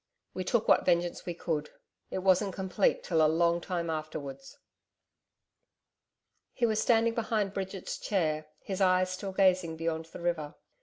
we took what vengeance we could.... It wasn't complete till a long time afterwards.' He was standing behind Bridget's chair, his eyes still gazing beyond the river.